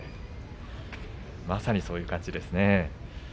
まさにそういう感じですね。